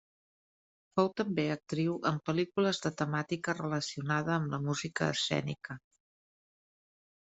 Fou també actriu en pel·lícules de temàtica relacionada amb la música escènica.